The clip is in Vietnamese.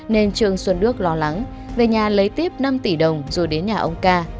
nên trương xuân đức lo lắng về nhà lấy tiếp năm tỷ đồng rồi đến nhà ông ca